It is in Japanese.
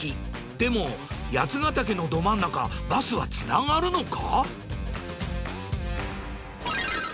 でも八ヶ岳のど真ん中バスはつながるのか？